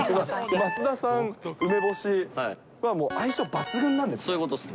増田さん、梅干しは相性抜群なんですね。